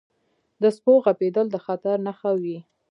• د سپو غپېدل د خطر نښه وي.